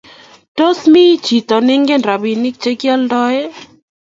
tos mi chito ne ingen robinik che kioldoen?